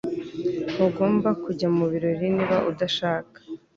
Ntugomba kujya mubirori niba udashaka